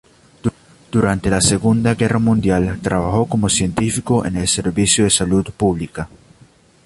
Durante la segunda guerra mundial, trabajó como científico en el servicio de salud pública.